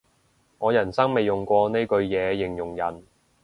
我人生未用過呢句嘢形容人